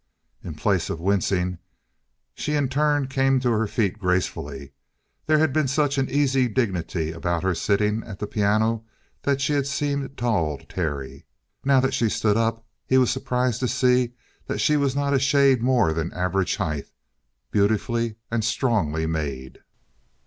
In place of wincing, she in turn came to her feet gracefully. There had been such an easy dignity about her sitting at the piano that she had seemed tall to Terry. Now that she stood up, he was surprised to see that she was not a shade more than average height, beautifully and strongly made.